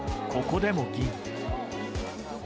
ここでも銀。